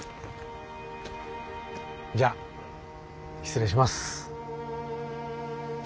じゃあ失礼します。